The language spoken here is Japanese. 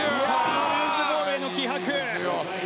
ルーズボールへの気迫。